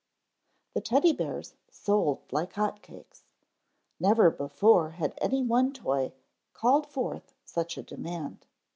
_ THE Teddy bears sold like hot cakes. Never before had any one toy called forth such a demand.